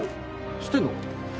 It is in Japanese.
知ってんの？